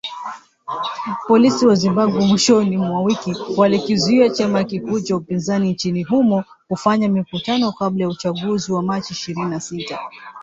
Polisi wa Zimbabwe mwishoni mwa wiki walikizuia chama kikuu cha upinzani nchini humo kufanya mikutano kabla ya uchaguzi wa machi ishirini na sita.